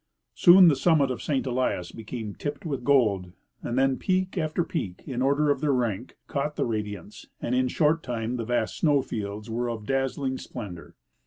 Soon the summit of St. Elias became tipped with gold, and then peak after peak, in order of their rank, caught the radiance, and in a short time the A^ast snow fields were of dazzling splendor.